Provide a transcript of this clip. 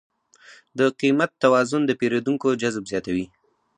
د قیمت توازن د پیرودونکو جذب زیاتوي.